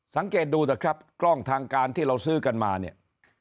สังเกตดูเถอะครับกล้องทางการที่เราซื้อกันมาเนี่ย